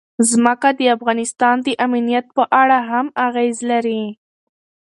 ځمکه د افغانستان د امنیت په اړه هم اغېز لري.